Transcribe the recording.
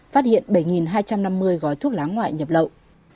phát hiện bảy hai trăm năm mươi gói thuốc lá ngoại nhập lậu